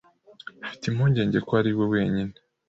Mfite impungenge ko ari wenyine.